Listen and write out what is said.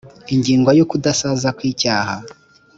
ingingo ya ukudasaza kw icyaha